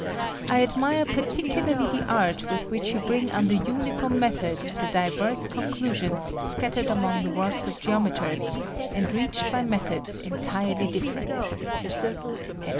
I admire particularly the art with which you bring under uniform methods the divers conclusions scattered among the works of geometers and reached by methods entirely different."